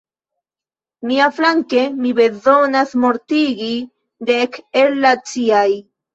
Miaflanke, mi bezonas mortigi dek el la ciaj.